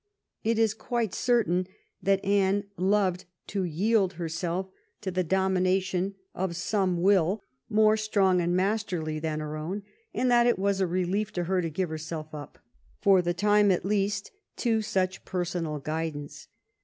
It is quite certain that Anne loved to yield herself to the domination of «)me will more strong and masterly than her own, and that it was a relief to her to give herself up, for the time, at least, to such a personal guidance.